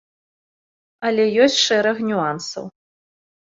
Але ёсць шэраг нюансаў.